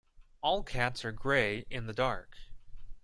All cats are grey in the dark.